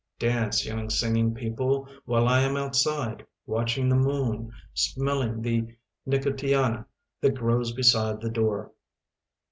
Dance, young singing people, while I am outside, watching the moon, smelling the nicotiana that grows beside the door.